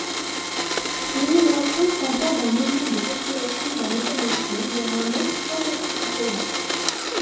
L'immigration s'entend d'un mouvement de population d'un état-nation vers un autre sans être citoyen.